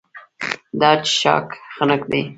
دا څښاک خنک دی.